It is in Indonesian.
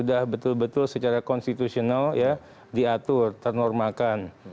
sudah betul betul secara konstitusional ya diatur ternormalkan